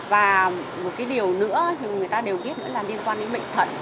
và một cái điều nữa thì người ta đều biết nữa là liên quan đến bệnh thận